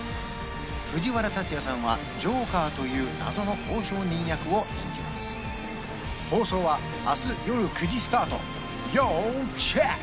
藤原竜也さんはジョーカーという謎の交渉人役を演じます放送は明日夜９時スタート要チェック！